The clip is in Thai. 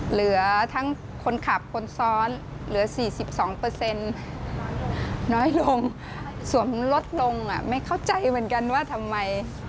เหลือทั้งคนขับคนซ้อนเหลือ๔๒น้อยลงสวมลดลงไม่เข้าใจเหมือนกันว่าทำไม